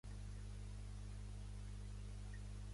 Kudahuvadhoo és una illa de ràpid desenvolupament a les Maldives.